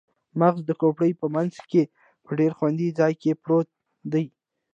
مغز د کوپړۍ په مینځ کې په ډیر خوندي ځای کې پروت دی